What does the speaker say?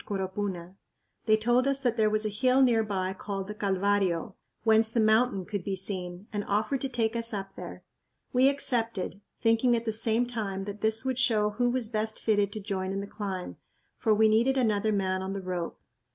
Coropuna. They told us that there was a hill near by called the Calvario, whence the mountain could be seen, and offered to take us up there. We accepted, thinking at the same time that this would show who was best fitted to join in the climb, for we needed another man on the rope.